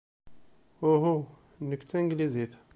Uhu, nekk d tanglizit.